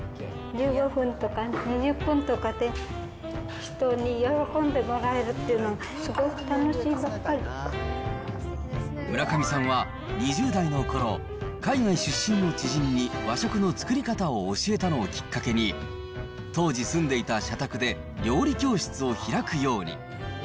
１５分とか２０分とかで人に喜んでもらえるっていうのは、すごく村上さんは２０代のころ、海外出身の知人に和食の作り方を教えたのをきっかけに、当時住んでいた社宅で、料理教室を開くように。